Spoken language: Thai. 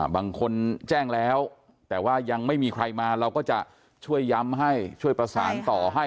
บางคนแจ้งแล้วแต่ว่ายังไม่มีใครมาเราก็จะช่วยย้ำให้ช่วยประสานต่อให้